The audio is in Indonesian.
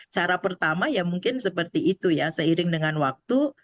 cara pertama ya mungkin seperti itu ya seiring dengan waktu